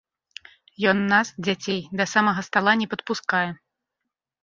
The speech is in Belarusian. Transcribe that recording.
Ён нас, дзяцей, да самага стала не падпускае.